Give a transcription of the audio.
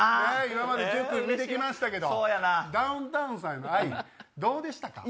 今まで１０組見て来ましたけどダウンタウンさんへの愛どうでしたか？